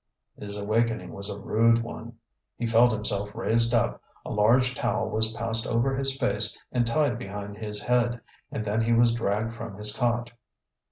His awakening was a rude one. He felt himself raised up, a large towel was passed over his face and tied behind his head, and then he was dragged from his cot.